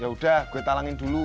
yaudah gue talangin dulu